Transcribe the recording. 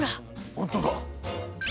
本当だ。